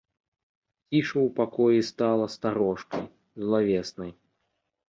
Ціша ў пакоі стала старожкай, злавеснай.